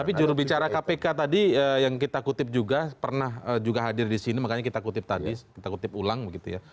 tapi jurubicara kpk tadi yang kita kutip juga pernah juga hadir di sini makanya kita kutip tadi kita kutip ulang begitu ya